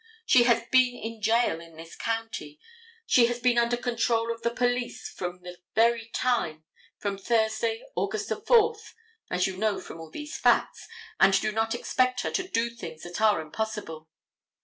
She has been in jail in this county; she has been under control of the police from the very time, from Thursday, August 4, as you know from all these facts, and do not expect her to do things that are impossible.